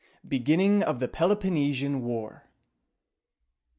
BEGINNING OF THE PELOPONNESIAN WAR.